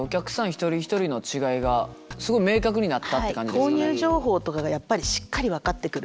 一人一人の違いがすごい明確になったって感じですよね。